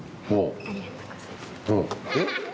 ありがとうございます。